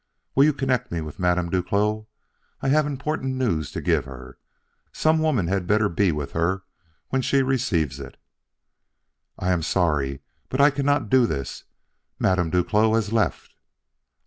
"Will you connect me with Madame Duclos. I have important news to give her. Some woman had better be with her when she receives it." "I am sorry, but I cannot do this. Madame Duclos has left."